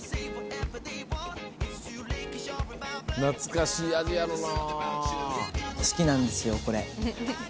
懐かしい味やろな。